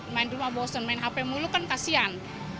main di rumah bosen main hp mulu kan kasihan